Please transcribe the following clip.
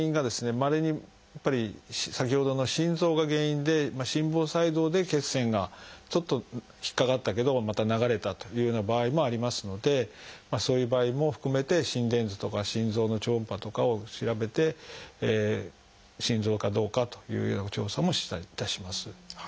まれにやっぱり先ほどの心臓が原因で心房細動で血栓がちょっと引っ掛かったけどまた流れたというような場合もありますのでそういう場合も含めて心電図とか心臓の超音波とかを調べて心臓かどうかというような調査もいたします。